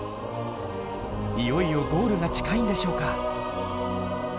いよいよゴールが近いんでしょうか？